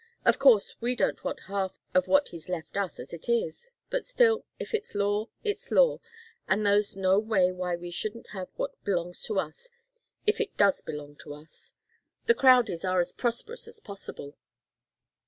Of course we don't want half of what he's left us, as it is but still, if it's law, it's law, and there's no reason why we shouldn't have what belongs to us, if it does belong to us. The Crowdies are as prosperous as possible.